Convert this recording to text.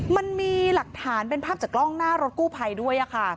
มันมีหลักฐานเป็นภาพจากกล้องหน้ารถกู้ภัยด้วยค่ะ